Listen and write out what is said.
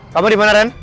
kamu dimana ren